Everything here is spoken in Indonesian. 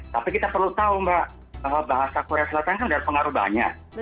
tapi kita perlu tahu mbak bahwa bahasa korea selatan kan ada pengaruh banyak